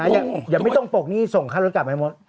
อย่าไม่ต้องปกนี่ส่งข้างรถกลับแม่มด